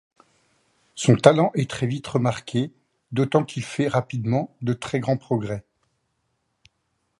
Son talent est très vite remarqué d'autant qu'il fait rapidement de très grands progrès.